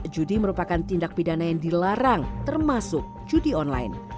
judi merupakan tindak pidana yang dilarang termasuk judi online